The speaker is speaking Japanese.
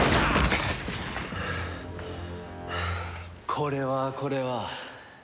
これはこれは。